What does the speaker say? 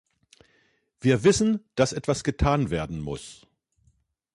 Wir wissen, dass etwas getan werden muss.